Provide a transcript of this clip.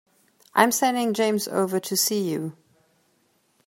I'm sending James over to see you.